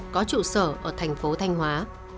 có trụ sở ở thành phố thanh hóa